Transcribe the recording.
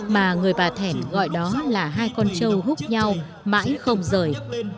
mà người bà thẻn gọi đó là hai con trâu húc nhau mãi không rời